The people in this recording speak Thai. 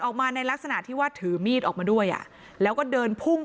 ในลักษณะที่ว่าถือมีดออกมาด้วยอ่ะแล้วก็เดินพุ่ง